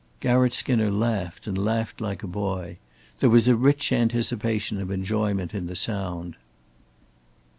Garratt Skinner laughed and laughed like a boy. There was a rich anticipation of enjoyment in the sound.